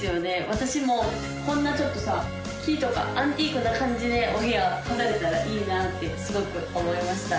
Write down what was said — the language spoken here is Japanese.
私もこんなちょっとさ木とかアンティークな感じでお部屋飾れたらいいなってすごく思いました